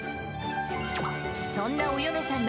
そんなおよねさんの、